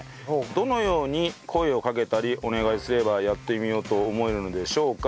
どのように声をかけたりお願いすればやってみようと思えるのでしょうか？